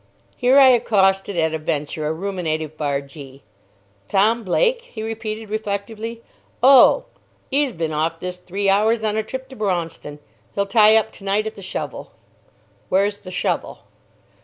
Here I accosted at a venture a ruminative bargee. "Tom Blake?" he repeated, reflectively. "Oh! 'e's been off this three hours on a trip to Braunston. He'll tie up tonight at the Shovel." "Where's the Shovel?"